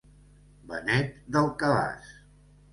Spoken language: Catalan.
Benet del cabàs.